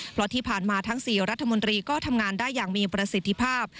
เพราะที่ผ่านมาทั้ง๔รัฐมนตรีก็ทำงานได้อย่างมีประสิทธิภาพ